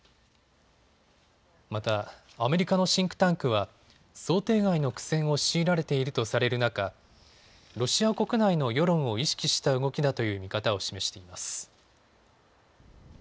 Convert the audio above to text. またアメリカのシンクタンクは想定外の苦戦を強いられているとされる中、ロシア国内の世論を意識した動きだという見方を示しています。